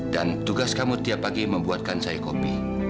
tugas kamu tiap pagi membuatkan saya kopi